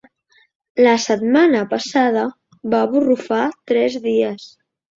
La setmana passada va borrufar tres dies.